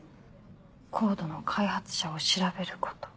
ＣＯＤＥの開発者を調べること。